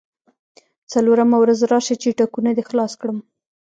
څلورمه ورځ راشه چې ټکونه دې خلاص کړم.